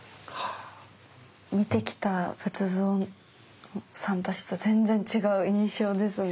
見てきた仏像さんたちと全然違う印象ですね。